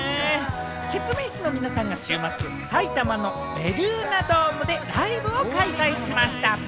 ケツメイシの皆さんが週末、埼玉のベルーナドームでライブを開催しました。